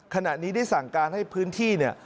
ขณะนี้ได้สั่งการให้พื้นที่เนี่ย